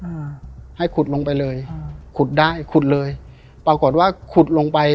อืมให้ขุดลงไปเลยอืมขุดได้ขุดเลยปรากฏว่าขุดลงไป